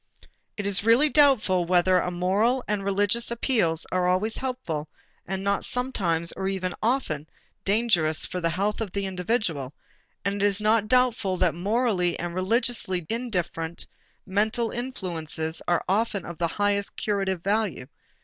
It is really doubtful whether the moral and religious appeals are always helpful and not sometimes or often even dangerous for the health of the individual; and it is not doubtful that morally and religiously indifferent mental influences are often of the highest curative value.